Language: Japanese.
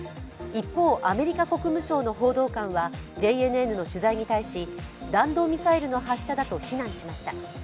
一方、アメリカ国務省の報道官はＪＮＮの取材に対し弾道ミサイルの発射だと非難しました。